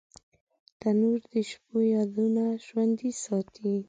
تنور د شپو یادونه ژوندۍ ساتي